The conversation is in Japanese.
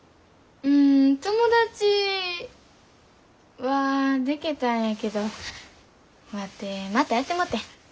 うん友達はでけたんやけどワテまたやってもうてん。